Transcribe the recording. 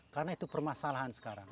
karena itu permasalahan sekarang